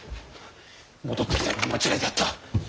戻ってきたのが間違いであった。